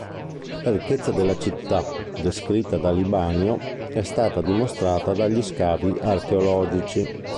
La ricchezza della città, descritta da Libanio, è stata dimostrata dagli scavi archeologici.